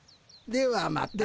ではまた。